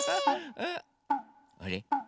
あれ？